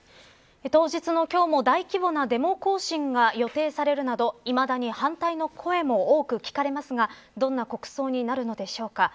当日の今日も大規模なデモ行進が予定されるなどいまだに反対の声も多く聞かれますがどんな国葬になるのでしょうか。